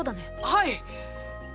はい！